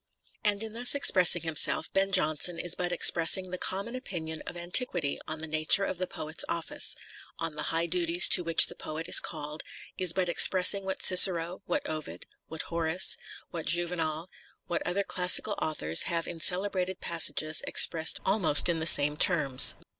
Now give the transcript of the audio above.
* And in thus expressing himself, Ben Jonson is but expressing the common opinion of antiquity on the nature of the poet's office, on the high duties to which the poet is called, is but expressing what Cicero, what Ovid, what Horace, what Juvenal, what other classical authors have in celebrated passages expressed almost in the same terms.